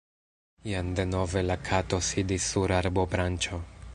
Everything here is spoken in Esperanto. Jen denove la Kato sidis sur arbobranĉo.